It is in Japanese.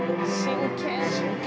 真剣。